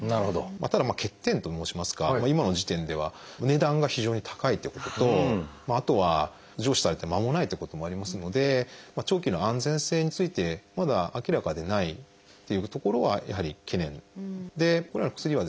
ただ欠点と申しますか今の時点では値段が非常に高いってこととあとは上市されてまもないってこともありますので長期の安全性についてまだ明らかでないっていうところはやはり懸念でこのような薬はですね